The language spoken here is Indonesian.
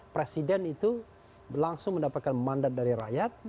presiden itu langsung mendapatkan mandat dari rakyat